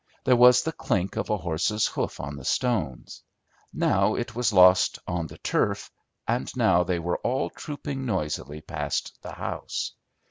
There was the clink of a horse's hoof on the stones: now it was lost on the turf, and now they were all trooping noisily past the house.